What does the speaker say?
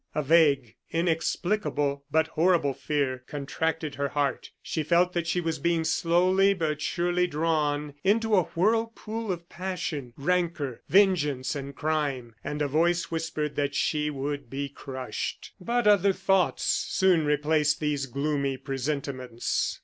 A vague, inexplicable, but horrible fear, contracted her heart. She felt that she was being slowly but surely drawn into a whirlpool of passion, rancor, vengeance, and crime, and a voice whispered that she would be crushed. But other thoughts soon replaced these gloomy presentiments.